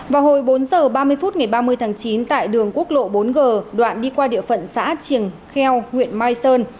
vào hồi bốn h ba mươi phút ngày ba mươi tháng chín tại đường quốc lộ bốn g đoạn đi qua địa phận xã triềng kheo huyện mai sơn